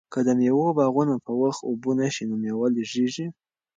که د مېوو باغونه په وخت اوبه نشي نو مېوه لږیږي.